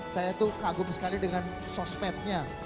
saya tuh kagum sekali dengan sosmednya